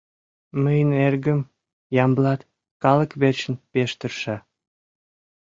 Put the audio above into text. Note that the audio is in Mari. Мыйын эргым, Ямблат, калык верчын пеш тырша.